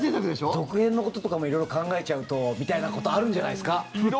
続編のこととかも色々考えちゃうとみたいなことあるんじゃないですか？